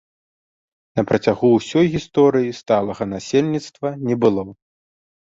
На працягу ўсёй гісторыі сталага насельніцтва не было.